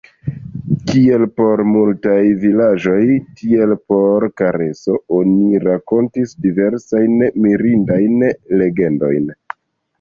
Kiel por multaj vilaĝoj, tiel por Kareso, oni rakontis diversajn mirindajn legendojn.